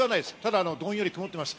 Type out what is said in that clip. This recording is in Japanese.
ただ、どんより曇ってます。